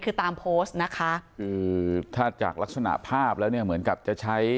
คือตามโพสต์นะคะคือถ้าจากลักษณะภาพแล้วเนี่ยเหมือนกับจะใช้